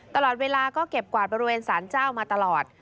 ตลอดเวลาก็เก็บกวาดบริเวณสารเจ้ามาตลอด